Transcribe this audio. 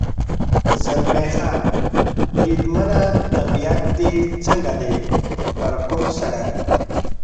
زلمی خان: بریدمنه، طبیعت دې څنګه دی؟ پر کوم سړک.